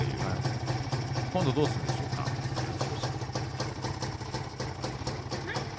今度はどうするんでしょう照強。